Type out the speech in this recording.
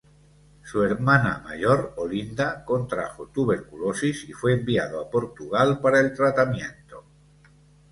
Su hermana mayor Olinda contrajo tuberculosis y fue enviada a Portugal para el tratamiento.